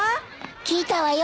聞いたわよ